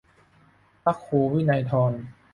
พระครูวินัยธร